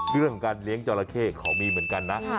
เรื่องของการเลี้ยงจราเข้เขามีเหมือนกันนะ